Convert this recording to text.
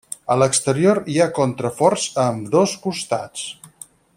A l'exterior hi ha contraforts a ambdós costats.